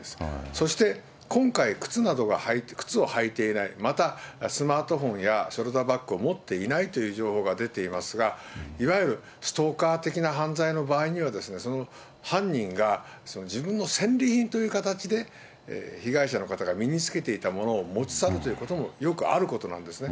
そして今回、靴などが、靴を履いていない、また、スマートフォンやショルダーバッグを持っていないという情報が出ていますが、いわゆるストーカー的な犯罪の場合には、その犯人が、自分の戦利品という形で被害者の方が身につけていたものを持ち去るということもよくあることなんですね。